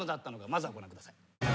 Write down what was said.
まずはご覧ください。